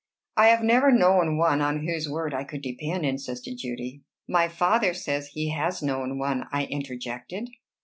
"I have never known one on whose word I could depend," insisted Judy. "My father says he has known one," I interjected.